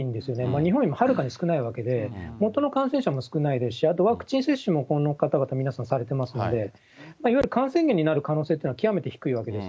日本よりもはるかに少ないわけで、元の感染者も少ないですし、あとワクチン接種も、この方々、皆さんされてますので、いわゆる感染源になる可能性っていうのは極めて低いわけです。